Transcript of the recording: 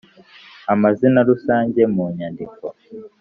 . Amazina rusange mu nyandiko